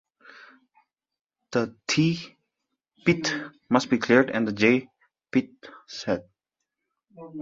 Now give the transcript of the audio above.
The "T"-bit must be cleared and the "J"-bit set.